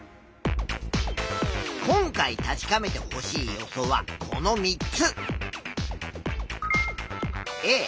今回確かめてほしい予想はこの３つ。